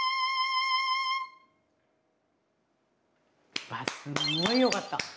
うわすごいよかった。